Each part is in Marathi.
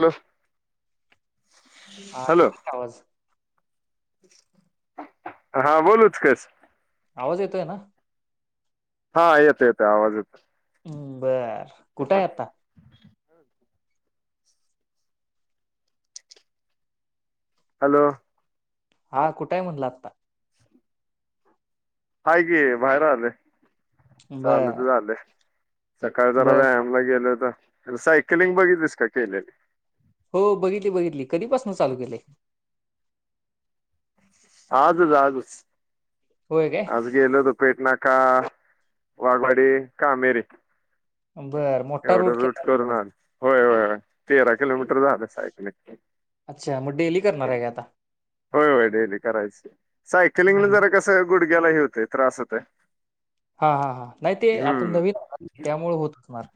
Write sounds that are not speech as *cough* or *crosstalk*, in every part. ह *inaudible* हा येतोय आवाज. हा बोलूच कस. आवाज येतोय ना. हा येत येत आवाज येत. म् बर कुठंय आता. हॅलो. हा कुठय म्हणला आता. हाय कि बाहेर आलोय चालत बर चालत. सकाळ जरा बर व्यायामला गेल होतो, सायकलिंग बघितलीस का? केलेली. हो बघितली बघितली कधीपासून चालू केलय. आजच आजच. होय काय आज गेलोतो पेटणाका, वाघवाडी, कामेरीेक. बर मोठा रोड एवढं रूट केला आहे करून आज. आलो होय होय तेरा किलोमीटर झालं सायकलिंगची. अच्छा मग डेली करणार आहे का आता होय होय डेली करायच सायकलिंगला हम्म. जरा कस गुड ग्याला हे होत त्रास होत. हा हा हा नाही ते आता नवीन त्यामुळे होत. असणार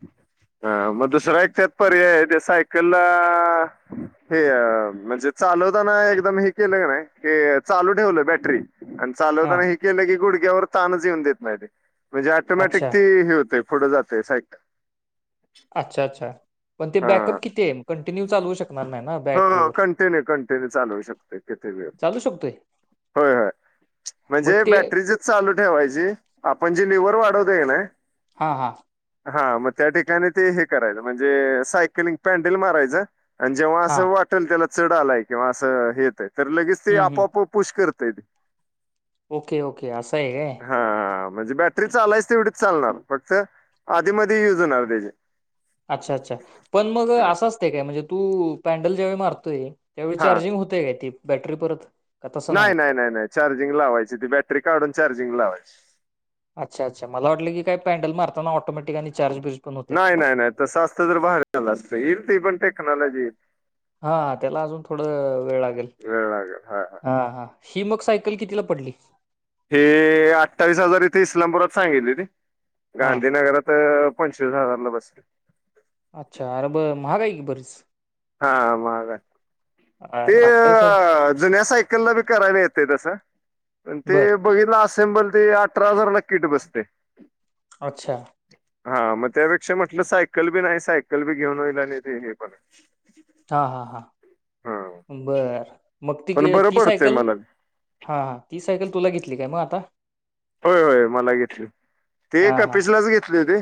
ह म दुसरा एकचतप ते सायकल हे म्हणजे चालवता ना एकदम हे केलं. काये की चालू ठेवलं बॅटरी. आणि हा चालवताना हे केलं की गुडघ्यावर ताणच येऊन देत नाही तीे म्हणजे टोमॅटिक अच्छा ती हे होतय. पुढं जातय सायक अच्छा अच्छा पण ते बॅकअप किती आहे कंटिन्यू चालउ शकणार नाही. ना ह बॅटरीवर कंटिन्यू कंटिन्यू चालवू शकते किती वेळ. चालू शकतोय होय होय मग म्हणजे ते बॅटरी चालू ठेवायची आपण जी लिव्हल वाढ तय ना. हा हा. हा मग त्या ठिकाणी ते हे कराय म्हणजे सायकलिंग पडल मारायच. हा जसं वाटल त्याला चढ आलाय किंवा असं हे यतय तर लगेच ते हम्म हम्म आपोआप पुष करत तेते. ओके ओके असंये काय? म्हणजे बॅटरी चालायच तेवढीच चालणार फक्त आधी मध्ये युज होणार त्याची. अच्छा अच्छा पण मग हा असं असतय काय म्हणजे तू पॅन्डल ज्याळी मारतोय. त्यावेळी हा चार्जिंग होतेय काय ती बॅटरी परत. का तसं होत? नाही नाही नाही नाही चार्जिंग लावायची ती बॅटरी काढून चार्जिंग लावायची. अच्छा अच्छा मला वाटलं की काही पॅ्डल मारताना ऑटोमॅटिक आणि चार् बिज नाही नाही नाही तसं असतं तर बाहेरलं असत येईल त पण टेक्नॉलॉजी येईल. हा त्याला अजून थोडं वेळ लागेल हा हा. ही मग सायकल कितीला पडली. हे अठ्ठावीस हजार इथे इस्लामपुरात सांगितली होती हा गांधीनगरात पंचवीस हजारला बसेल अच्छा अर ब महाग आहे की बराच हा महाग आहे ते आयला, अठ्ठावीस हजार अ जुन्या सायकलला ब करायला येत तस पण ते बर बघितलं ल ते अठरा हजार ला किट बसते अच्छा हा मग त्यापेक्षा म्हटलं सायकल बी नाही सायकल बी घेऊन होईल आणि ते हे पण हा हा हा हा बर मग त पण बरं ती पडतंय सायकल मला हा ती सायकल तुला घेतली काय मग आता होय होय मला घेतली ते हा हा कपिसलाच घेतले हो ते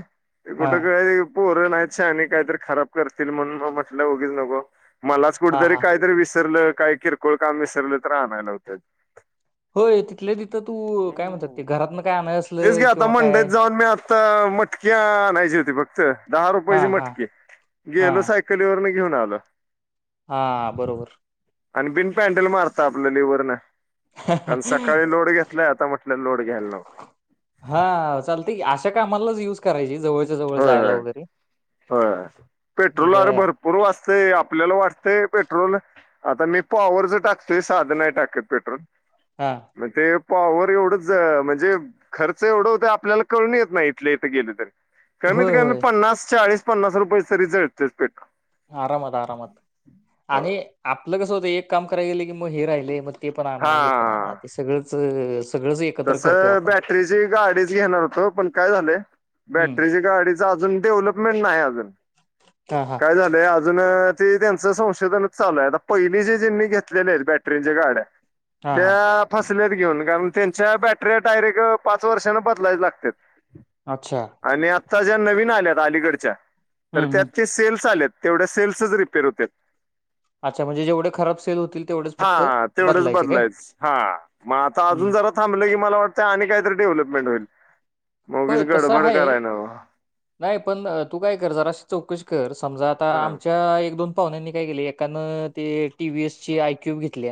हा कुठं काही पोरं नाही शहाणी काहीतरी खराब करते म्हणून म्हटले नको मलाच हा कुठतरी हा काहीतरी विसरलं काही किरकोळ काम विसरले तर आणायला होत होय तिथले तिथं तू काय म्हणतात ते घरातन काय आणाय तेच असलं की, आता किंवा काय मंडईत जाऊन मी आता मटकी आणायची होती फक्त दहा हा रुपयाची हा मटकीे, हा गेलो सायकलीवरून, त्याघेऊन आलो. हा बरोबर आणि बिन पँडल मारत आपल्या लिवरन कारण सकाळी लोड घेतला आता म्हटलं लोड घ्यायला नको हा चालते अशा कामालाच युज करायचा जवळच्या जवळ होय जायला होय वगैरे होय पेट्रोलर बर भरपूर वाचतय आपल्याला वाटतय पेट्रोल आता मी पॉवरच टाकत साध नाही टाकत पेट्रोल हा मग ते पॉवर एवढंच म्हणजे खर्च एवढं होत आपल्याला कळून येत नाही इथले इथे गेले तरी कमीत होय कमी होय पन्नास चाळीस पन्नास रुपये तरी जळतेत पेट्रोल आरामात आरामात आणि आपलं कसं होतं एक काम करायला गेलं की मग हे राहिले मग ते पण आण हे पण आण ते सगळंच सगळंच एकत्र तस करतोय आपण बॅटरीची गाडीच घेणार होतो पण काय झाले हम्म बॅटरीच्या गाडीच अजून डेव्हलपमेंट नाही अजून हा हा काय झालंय अजून ते त्यांचं संशोधनच चालूय पहिली जे जे मी घेतलेले आहेत बॅटरीचे गाड्या हा हा त्या फसल्यात घेऊन कारण त्यांच्या बॅटरी डायरेक्ट पाच वर्षांने बदलायच लागतात अच्छा आता ज्या नवीन आल्यात अलीगडच्या तर हम्म त्यात हम्म ते सेल्स आलेत तेवढ्या सेल्सच रिपेअर होत अच्छा म्हणजे जेवढे खराब सेल होतील तेवढेच फक्त हा तेवढंच बदलायचे काय बदलायच हा मग आता अजून हम्म. अजून जरा थांबलं की मला वाटतंय काही तरी डेव्हलपमेंट होई होय तस आहे नाही पण तू काय कर जराशी चौकशी कर समजा आता हा आमच्या एक दोन पाहण्यानी काय के एकानं ते टी व् एस ची आयक्यूब घेतली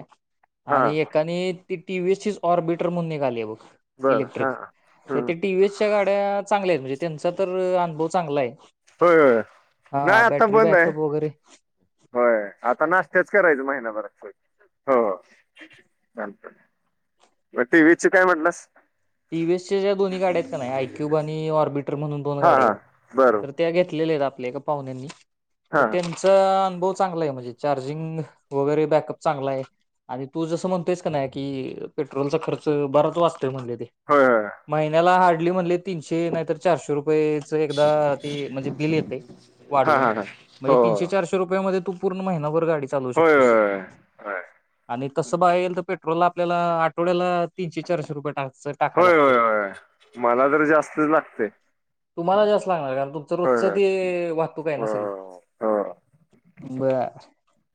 हा आणि एकाने ती व्हीसचीच ऑर्बिटर म्हणून आल्या बग बरं हा हम्म टीव्हीसच्या गाड्या चांगल्या आहेत म्हणजे त्यांचा तर अनुभव चांगला आहे होय हो नाही हा आता बॅटरी बंद आहे बॅकअप वगैरे होय आता नाशते नस् आहे महिनाभर हो प मग टीवीच काय म्हटलंस टीव्हीएस च्या ज्या दोन्हीाड्या आहेत का नाही आयक्यूब आणि ऑर्बिटर म्हणून दोन हा गाड्या हा आहेत बरं तर त्या घेत आपल्या एका पाहुन्यानी हा त्यांचा अनभव चांगला आय मजे म्हण *unintelligible* चार्जिंग वगैरे बॅकअप चांगलाय आणि तू जसं म्हणतोयस का नाही की पेट्रोलचा खर्च बराच वाजतोय म्हणलीत. होय होय महिन्याला हार्डली म्हणलीत. तीनशे नाहीतर चारशे रुपयेच एकदा ते म्हणजे बिल येतय हा वाढवून हा हा म्हणजे हो तीनशे चारशे रुपयामध्ये तू पूर्ण महिनाभर गाडी चालवू होय शकतोयस होय होय आणि तस बघाय गेल तर पेट्रोला आपल्याला आठवड्याला तीनशे चारशे रुपये टाकाय. टाकाय होय लागते होय होय मला जर जास्तच लागते तुम्हाला जास्त लागणार कारण त *unintelligible* होय रोजच होय ते वाहतूकय ना हो सगळी हो बर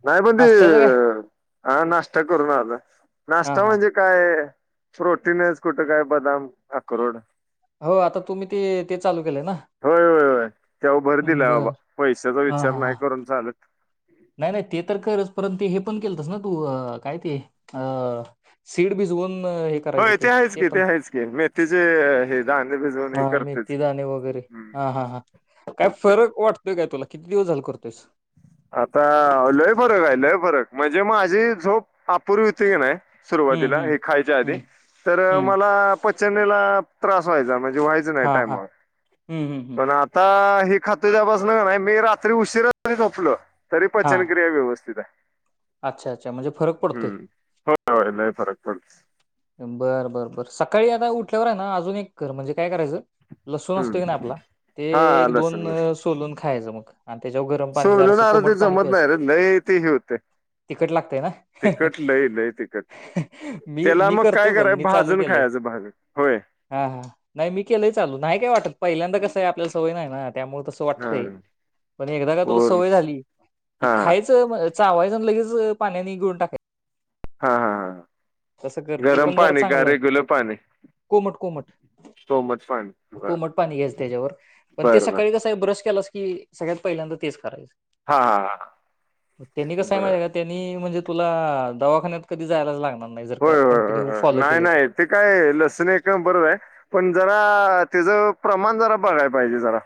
नाही पण ते नाश्त्याचं काय? हा नाश्ता करून आलाय हां नाश्ता हां. म्हणजे काय रोटी नाहीच कुठं काय बदाम अक्रोड हो आता तुम्हीते ते चालू. केलंय ना? होय होय होय त्याव भर दिलाय बर. बाबा पैशाचा हां विचार हां हां. नाही करून चालत. नाही नाही ते तर करच परंत ते हे पण केलस ना तू, कायती सीड भिजऊन हे करायच होय आहेच ते की पण आहेच की मेथीचे हे दाणे भिजवून हा हे करतेच. मेथीदाणे वगैरे हम्म, हा हा हा काय करते फरक वाटतोय काय तुला किती दिवस झाल करतोयस आता लय फरक आहे लय फरक म्हणजे माझी झोप अपूर्वीती की नाही. हं, सुरुवातीला हं. हे खायच्या आधी हं, तर हं. मला पचनीला *unintelligible* त्रास व्हायचा म्हणजे व्हायचं नाही हां हां. टायमावर हं, हं, हं. पण आता हे खातो त्यापासन नाही मी रात्री उशीरा जरी झोपल तरी हां. पचनक्रिया व्यवस्थित आहे. अच्छा अच्छा म्हणजे फरक पडतोय. हम्म होय होय नाही फरक पड बरं बरं बर सकाळी आता उठल्यावर आहे ना अजून एक कर म्हणजे काय करायचं. लसूण असतो हम्म की ना आपला ते हा एक लसण दोन लसण सोलून खायचं मग आणि त्याच्यावर गरम पाणी जरा सोलून स आर ते कोमट पाणी जमत प्यायचं. नाही रे लय ते हे होते तिकट लागतय ना तिखट लय लय तिखट मी त्याला मी क मग करतोय काय पण कराय मी चालू भाजून केलंय खायचं भाजून होय हा हा नाय मी केलंय चालू नाय काय वाटत पहिल पल्यांदा *unintelligible* कस आहे आपल्या सवय नाही ना त्यामुळे तसं हा वाटतंय पण एकदा का तुला पूर्ण सवय झाली की हा हा खायचं चावायचं लगेच पाण्या नि गऊून *unintelligible* टाकाय. हा हा हा ते गरम पण जरा पाणी का चांगलं आहे रेगुलर पाणी कोमट कोमट सोमट पाणी बर कोमट पाणी घ्यायचं त्याच्यावर पण ते बर बर सकाळी कसं आहे ब्रश केलास की सगळ्यात पहिल्यांदा तेच करायच. हा हा त्यांनी कस आहे बर माझ्या का त्यांनी म्हणजे तुला दवाखान्यात कधी जायलाच लागणार. नाही जर का होय कंटिन्यू होय फॉलो नाही केलं तर नाही ते काय लसण बरोबर आहे पण जरा तेज प्रमाण जरा बघायला पाहिजे जरा,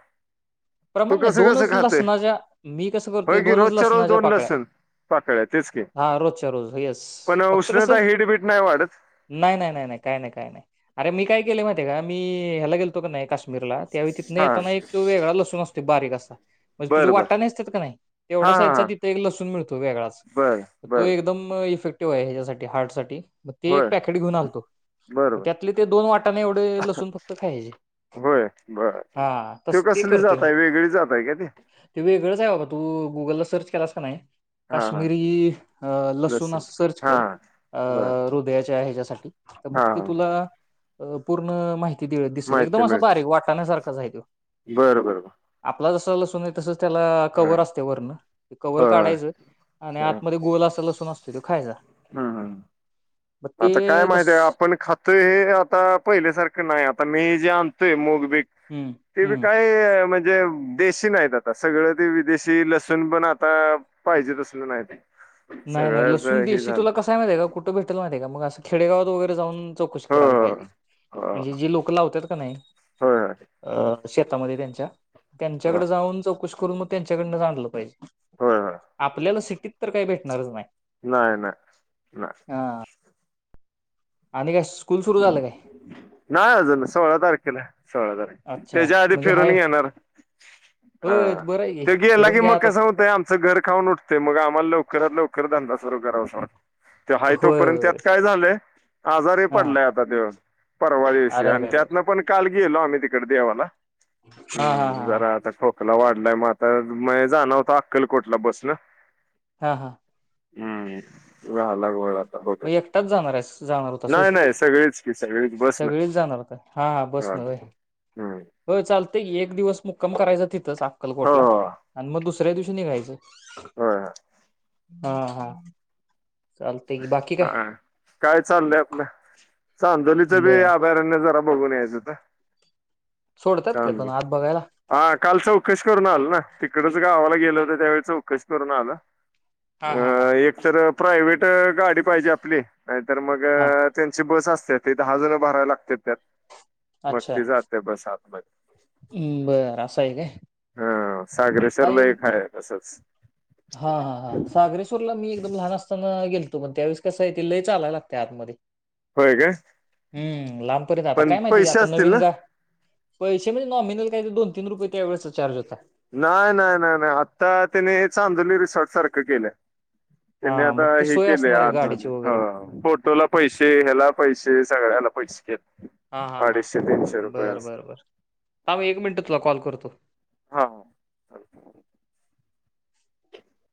तू प्रमाण नाही कसं दोनच कसं खातोय लसणाच्या मी कसं करतोय होय की दोनच रोजच्या रोज लसणाच्या दोन पाकळ्या लसण पाकळ्या तेच की हा रोजच्या रोज येस पण फक्त उष्णता कसं हिटबीट नाही वाढत नाही नाही नाही नाही काय नाही काय नाही अरे मी काय ले *unintelligible* माहि का मी ह्याला गेलो का नाही काशमीरला त्यावेळी तिथं हा येता एको वेगळा लत *unintelligible* बारीक अस म्हणजे तुझ्या बरं बर वाट्यानं नसतात का नाही हा तेवढ्या हा साईजचा हा तिथे एक लसूण मिळतो वेगळाच बरं तो बरं एकदम इफेक्टिव्ह आहे ह्याच्यासाठी हार्टसाठी मग ते एक होय पॅकेट घेऊन आलतो. बरं बरं त्यातले ते दोन वाटाने एवढे लसूण फक्त खायचे. बर हा ते तस *unintelligible* कसली करतोय जातय वेगळी जातय का ते ते वेगळंच आहे बाबा तू गुगलला सर्च केला का नाही हा हा काश्मिरी लसूून लसण अस सर्च हा कर. अ बर हृदयाचे आहे ह्याच्यासाठी तर हा मग ते हा तुला पूर्ण माहिती दि दिसल एकदम असा बारीक वाटण्यासारखाच आय तो. बर बर बर आपला जसं लसून तसंच त्याला कवर असते वरण ते कवर होय काढायचं. आणि होय हम्म आतमध्येध्ये गोल असा लसून न असतो तो खायचा. हम्म मग आता काय ते माहिित तस आहेय आपण खातोय हे आता पहिल्यासारखं नाही आता मी जे आणतोय मग. हम्म ते हम्म काय म्हणजे. देशी नाहीत आता सगळ ते विदेशी लसूण पण आता पाहिजे त असल नाही. नाही नाही सगळंच लसून हे देयशी झालं तुला कसाय मा आहे का कुठं भेटेल माहि आहे का मग असं. खेडेगावात वगैरे जाऊन चौकशी हो करायला हो पाहिजे हो म्हणजे जे लोक लावतात कनि होय. शेतामध्ये त्यांच्या होय त्यांच्याकडे जाऊन चौकशी करून मग त्यांच्याकडन आणलं पाहिजे. होय होय आपल्याला सिटीत तर काही भेटणारच नाही. नाही नाही नाही. हा. आणि काय स्कूल सुरू झालं काय? नाही अजून सोळा तारखेला सोळा तारखे त्याच्या आधी फिरून येेणार. हो बर. ते गेला की मग कसं होतंय आमचं घर खाऊन उठतेय मग आम्हाला लवकरात लवकर धंदा सरु करावासा वाटतोय. ते हा होय होय तोपर्यंत होय त्यात काय झालंय आजार हा पडलाय आता देऊ परवा दिवशी अरे आणि अरे अरे अरे. त्यातनं पण काल गेलो आम्ही तिकडे देवाला. हा हा हा हम्म हा. जरा आता खोकला वाढलाय मग आता म जाणर होतो अक्कलकोटला बसणं. हा हा. हम्म इ अलाग होळात. म एकटाच जाणार आहे जाणार होत. नाही सगळीच की सगळीच बस ना सगळीच जाणार का हा हा बस न होय. हम्म हो चालत. एक दिवस मुक्कम करायचा तिथंच हो अक्कलकोटला आणि मग दुसऱ्या दिवशी निघायचं. होय. हा हा. चालतंय की बाकी काय हा काय चाललंय आपलं. चांदोलीचं बी बर अभयारण्य जरा बघून यायचं आता. सोडतात काय पण चांगली आत बघायला हा काल चौकशी. करून आलं ना तिकडच गावाला गेलं होत त्यावेळी चौकशी करून आला. हा अ हा हा एक तर प्रायव्ट गाडी पाहिजे आपली. नाहीतर मग हा त्यांची बस असते ते दहा जण भरावे लागत त्यात. मग अच्छा त जाते बसातमध्येध्ये. हम्म बरं असं आहे काय? हा हा सागरेश्र्ला एक एकाय तसंच. हा हा हा सागरेश्वरला मी एकदम लहान असताना गेल तग त्यावीस कसा आहे ते लई चाला लागते आतमध्ये. होय का? हम् लांबपर्यंत आता काय माहिती आता नवीन ना ग पैसे म्हणजे नॉमिनल.. काय ते दोन तीन रुपये त्यावेळेसचा चार्ज होता नाही नाही नाही नाही आता त्याने चांगली सारख केलं. *unintelligible* त्यांनी आता ते हे सोय केले असणार आहे आज गाडीची वगैरे फोटोला पैसे ह्याला पैसे सगळ्याला पैसे. केले हा हा हा अडीचशे तीनशे रुपये बर असं बर बर ह मग एक मिनट तुला कॉल करतो. हा ह.